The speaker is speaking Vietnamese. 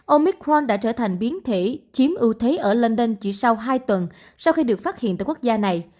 omicron đã trở thành biến thể chiếm ưu thế ở london chỉ sau hai tuần sau khi được phát hiện tại quốc gia này